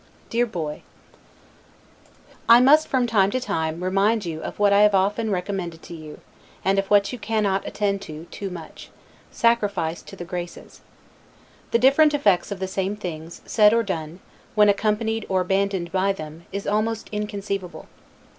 DEAR BOY: I must from time to time, remind you of what I have often recommended to you, and of what you cannot attend to too much; SACRIFICE TO THE GRACES. The different effects of the same things, said or done, when accompanied or abandoned by them, is almost inconceivable.